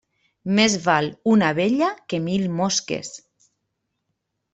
Més val una abella que mil mosques.